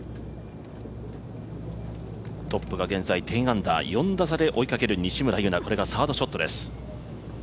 トップが現在１０アンダー４打差で追いかける西村優菜、これがサードショットです。